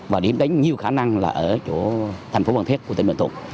và điểm đánh nhiều khả năng là ở chỗ thành phố văn thiết của tỉnh bình thuận